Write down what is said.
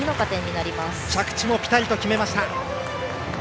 着地もピタリと決めました。